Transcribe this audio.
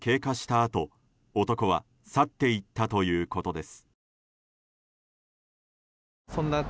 あと男は去っていったということです。